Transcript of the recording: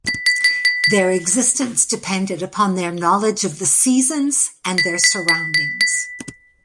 Their existence depended upon their knowledge of the seasons and their surroundings.